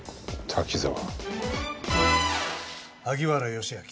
滝沢